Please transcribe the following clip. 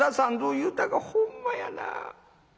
言うたがほんまやなあ。